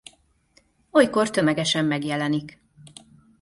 Olykor tömegesen megjelenik.